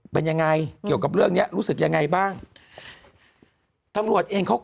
เป็นยังไงเกี่ยวกับเรื่องเนี้ยรู้สึกยังไงบ้างตำรวจเองเขาก็